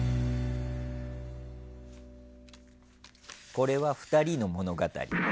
これは２人の物語。